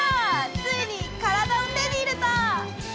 ついに体を手に入れた！